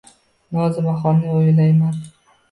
Nozimaxonni oʻylayman